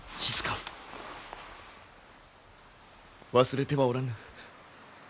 忘れてはおらぬ。